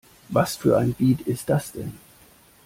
Was für ein Beat ist das denn?